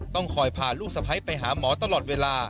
ต้องคอยพาลูกสะพ้ายไปหาหมอตลอดเวลา